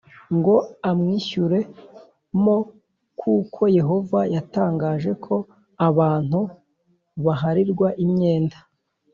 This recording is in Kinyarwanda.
ngo amwishyure m kuko Yehova yatangaje ko abantu baharirwa imyenda